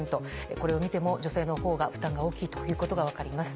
これを見ても女性の方が負担が大きいということが分かります。